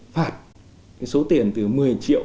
phạt số tiền từ một mươi triệu